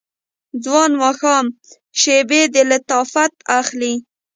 ځوان ماښام شیبې د لطافت اخلي